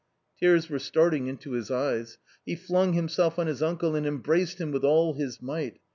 Tears were starting into his eyes ; he flung himself on his uncle and embraced him with all his might.